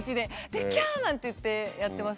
でキャなんて言ってやってます。